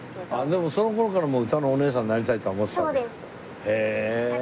でもその頃からもううたのおねえさんになりたいとは思ってたわけだ。